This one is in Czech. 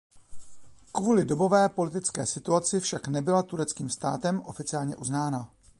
Kvůli dobové politické situaci však nebyla tureckým státem oficiálně uznána.